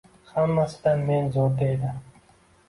Hammasidan men zo‘r deydi.